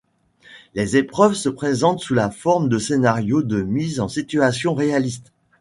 Les épreuves se présentent sous la forme de scénarios de mise en situation réaliste.